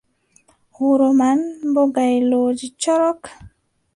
Wuro man, boo gaylooji corok.